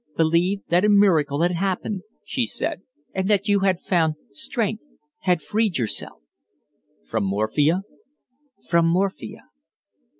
"Believe that a miracle had happened," she said "that you had found strength had freed yourself." "From morphia?" "From morphia."